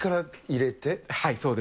入れて。